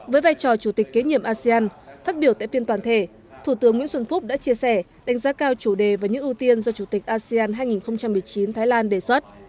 với vai trò chủ tịch kế nhiệm asean phát biểu tại phiên toàn thể thủ tướng nguyễn xuân phúc đã chia sẻ đánh giá cao chủ đề và những ưu tiên do chủ tịch asean hai nghìn một mươi chín thái lan đề xuất